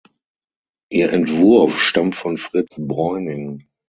Ihr Entwurf stammt von Fritz Bräuning.